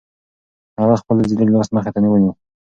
هغه خپل لړزېدلی لاس مخې ته ونیو.